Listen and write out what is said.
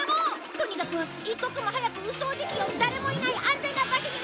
とにかく一刻も早くウソージキを誰もいない安全な場所に埋めてきて！